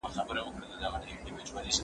زه له سهاره لوبه کوم؟